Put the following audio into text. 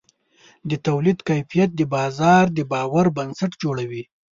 د تولید کیفیت د بازار د باور بنسټ جوړوي.